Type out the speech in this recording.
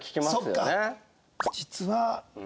そっか。